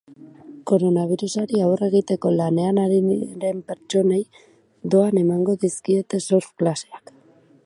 Koronabirusari aurre egiteko lanean ari diren pertsonei doan emango dizkiete surf klaseak.